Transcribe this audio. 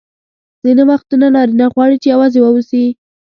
ځیني وختونه نارینه غواړي چي یوازي واوسي.